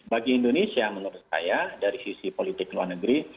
bagi indonesia menurut saya dari sisi politik luar negeri